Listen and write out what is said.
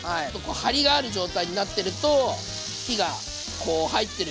張りがある状態になってると火がこう入ってる状態なんで。